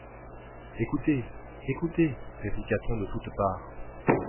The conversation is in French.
Écoutez! écoutez ! répliqua-t-on de toutes parts.